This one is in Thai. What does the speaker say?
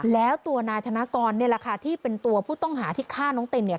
แล้วตัวนายธนกรเนี่ยแหละค่ะที่เป็นตัวผู้ต้องหาที่ฆ่าน้องเต็นเนี่ย